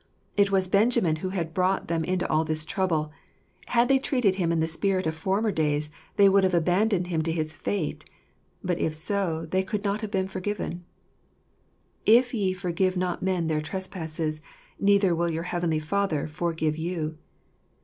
It was Benjamin who had brought them into all this trouble : had they treated him in the spirit of former days, they would have abandoned him to his fate ; but if so, they could not have been forgiven. " If ye forgive not men their trespasses, neither will your Heavenly Father forgive you."